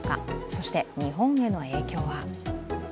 そして日本への影響は。